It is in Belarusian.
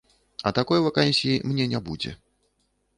А такой вакансіі мне не будзе.